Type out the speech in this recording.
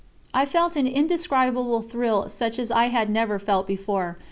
I felt an indescribable thrill such as I had never felt before.